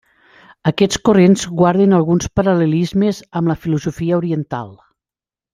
Aquests corrents guarden alguns paral·lelismes amb la filosofia oriental.